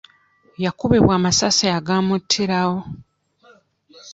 Yakubibwa amasasi agaamuttirawo.